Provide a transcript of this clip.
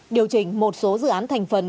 điều chỉnh một số dự án thành phần